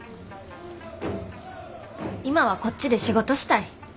今はこっちで仕事したい。